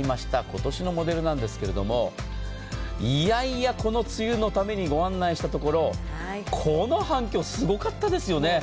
今年のモデルなんですけれどもいやいや、この梅雨のために御案内したところ、この反響、すごかったですよね。